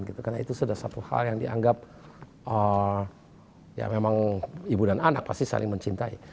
karena itu sudah satu hal yang dianggap ibu dan anak pasti saling mencintai